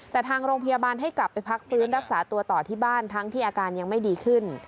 แต่ทางโรงพยาบาลให้กลับไปพักฟื้นรักษาตัวต่อที่บ้านทั้งที่อาการยังไม่ดีขึ้น